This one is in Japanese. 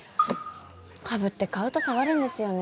株って買うと下がるんですよね。